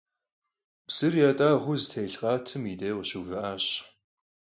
Psır yat'ağueu zetêlh khatım yi dêjj khışıuvı'aş.